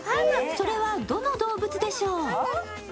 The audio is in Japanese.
それはどの動物でしょう。